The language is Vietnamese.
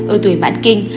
ở tuổi mãn kinh